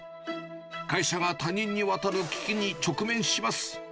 会社が他人に渡る危機に直面します。